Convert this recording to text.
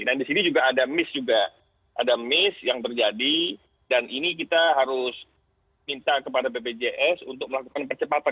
nah di sini juga ada miss juga ada miss yang terjadi dan ini kita harus minta kepada bpjs untuk melakukan percepatan